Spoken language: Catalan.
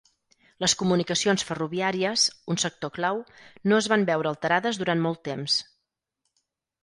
Les comunicacions ferroviàries, un sector clau, no es van veure alterades durant molt temps.